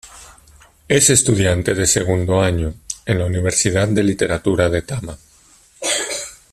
Es estudiante de segundo año en la universidad de Literatura de Tama.